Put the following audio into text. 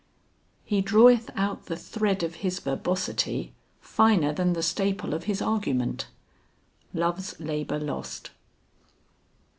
"He draweth out the thread of his verbosity, finer than the staple of his argument." LOVES LABOR LOST.